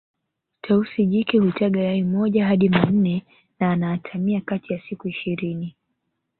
Tausi jike hutaga yai moja hadi manne na ana atamia kati ya siku ishirini